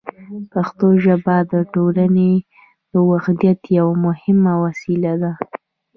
پښتو ژبه د ټولنې د وحدت یوه مهمه وسیله ده.